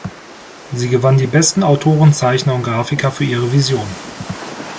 Sie gewann die besten Autoren, Zeichner und Grafiker für ihre Vision.